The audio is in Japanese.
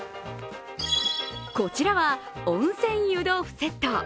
こちらは温泉湯豆腐セット。